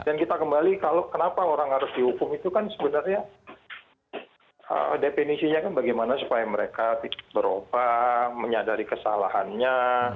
dan kita kembali kalau kenapa orang harus dihukum itu kan sebenarnya definisinya kan bagaimana supaya mereka berubah menyadari kesalahannya